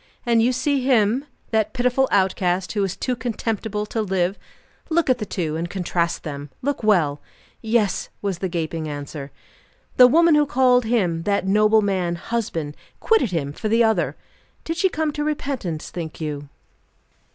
"And you see him, that pitiful outcast, who is too contemptible to live? Look at the two, and contrast them. Look well." "Yes!" was the gaping answer. "The woman who called him, that noble man, husband, quitted him for the other! Did she come to repentance, think you?"